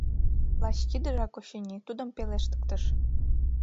Лач тидыжак, очыни, тудым пелештыктыш: